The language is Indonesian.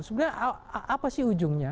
sebenarnya apa sih ujungnya